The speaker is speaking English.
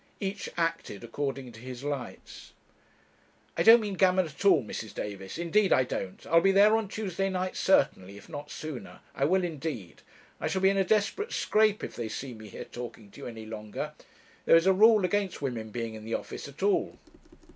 Each acted according to his lights. 'I don't mean gammon at all, Mrs. Davis indeed, I don't I'll be there on Tuesday night certainly, if not sooner I will indeed I shall be in a desperate scrape if they see me here talking to you any longer; there is a rule against women being in the office at all.'